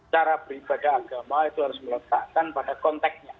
cara beribadah agama itu harus meletakkan pada konteknya